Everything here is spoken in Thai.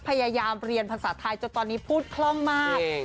พยายามเรียนภาษาไทยจนตอนนี้พูดคล่องมาก